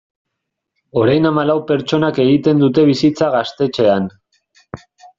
Orain hamalau pertsonak egiten dute bizitza gaztetxean.